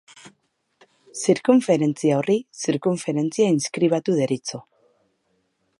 Zirkunferentzia horri zirkunferentzia inskribatu deritzo.